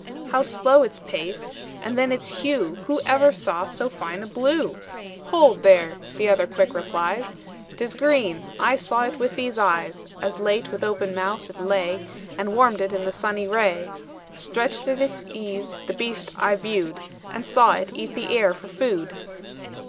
How slow its pace; and then its hue Who ever saw so fine a blue?" "Hold, there," the other quick replies, "'T is green, I saw it with these eyes, As late with open mouth it lay, And warmed it in the sunny ray: Stretched at its ease, the beast I viewed And saw it eat the air for food."